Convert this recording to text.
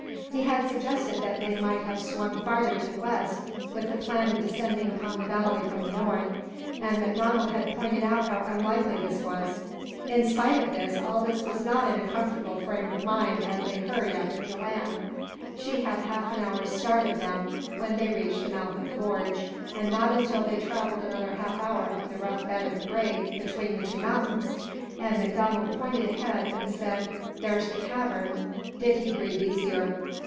He had suggested that they might have swung farther to the west, with the plan of descending upon the valley from the north, and MacDonald had pointed out how unlikely this was. In spite of this, Aldous was not in a comfortable frame of mind as they hurried after Joanne. She had half an hour's start of them when they reached the mouth of the gorge, and not until they had travelled another half hour up the rough bed of the break between the two mountains, and MacDonald pointed ahead, and said: "There's the cavern!" did he breathe easier.